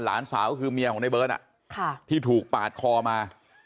หลานสาวก็คือเมียของในเบิร์ตที่ถูกปาดคอมา